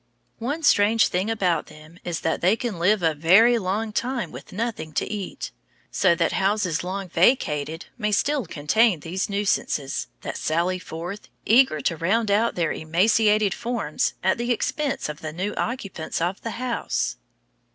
One strange thing about them is that they can live a very long time with nothing to eat, so that houses long vacated may still contain these nuisances, that sally forth, eager to round out their emaciated forms at the expense of the new occupants of the house.